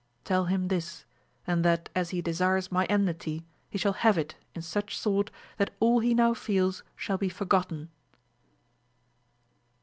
Tell him this, and that as he desires my enmity, he shall have it in such sort, that all he now feels shall be forgotten.